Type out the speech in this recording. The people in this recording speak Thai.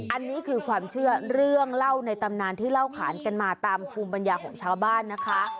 อันนี้คือความเชื่อเรื่องเล่าในตำนานที่เล่าขานกันมาตามภูมิปัญญาของชาวบ้านนะคะ